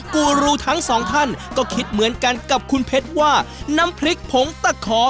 กูรูทั้งสองท่านก็คิดเหมือนกันกับคุณเพชรว่าน้ำพริกผงตะขอ